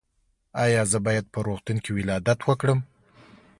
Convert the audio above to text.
ایا زه باید په روغتون کې ولادت وکړم؟